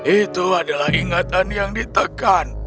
itu adalah ingatan yang ditekan